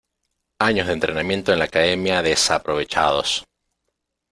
¡ Años de entrenamiento en la academia desaprovechados!